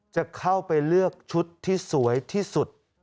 จะเข้าไปเลือกชุดที่สวยที่สุด